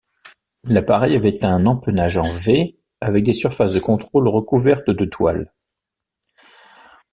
L'appareil avait un empennage en V, avec des surfaces de contrôle recouvertes de toile.